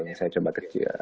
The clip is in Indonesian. misalnya coba kecil